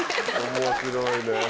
面白いね。